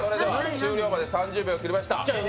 終了まで３０秒切りました。